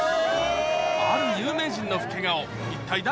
ある有名人の老け顔一体誰？